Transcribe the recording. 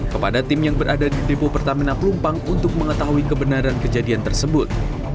kepada tim yang berada di depo pertamina pelumpang untuk mengetahui kebenaran kejadian tersebut